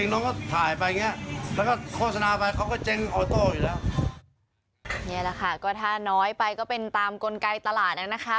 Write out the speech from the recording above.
นี่แหละค่ะก็ถ้าน้อยไปก็เป็นตามกลไกตลาดนะคะ